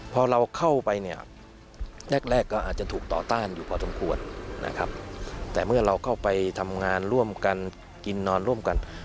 พอเราเข้าไปเนี่ยแรกก็อาจจะถูกต่อต้านอยู่พอสมควรนะครับแต่เมื่อเราเข้าไปทำงานร่วมกันกินนอนร่วมกัน